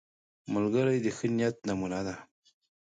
ملګری د ښه نیت نمونه ده